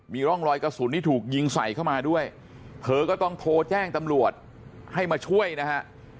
มีร่องรอยกระสุนที่ถูกยิงใส่เข้ามาด้วยเธอก็ต้องโทรแจ้งตำรวจให้มาช่วยนะฮะ